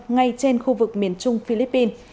ngay trên khu vực miền trung philippines